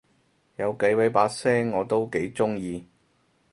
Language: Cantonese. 有幾位把聲我都幾中意